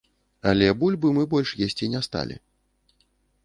Але бульбы мы больш есці не сталі.